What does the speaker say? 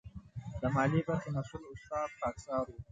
د مالي برخې مسؤل مو استاد خاکسار و.